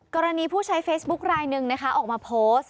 กรณีผู้ใช้เฟซบุ๊คลายหนึ่งนะคะออกมาโพสต์